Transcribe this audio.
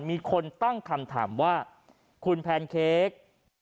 มีคนตั้งคำถามว่าคุณแพนเค้ก